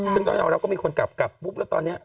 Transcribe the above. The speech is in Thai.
ซึ่งตอนนี้เราก็มีคนกลับปุ๊บแล้วตอนนี้